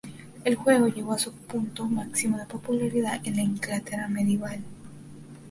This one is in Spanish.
El juego llegó a su punto máximo de popularidad en la Inglaterra medieval.